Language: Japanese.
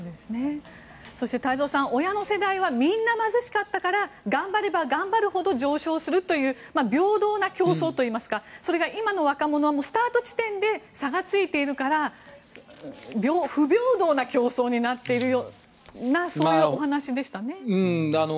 そして、太蔵さん親の世代はみんな貧しかったから頑張れば頑張るほど上昇するという平等な競争というかそれが今の若者はスタート地点で差がついているから不平等な競争になっているようなそういうお話でしたね。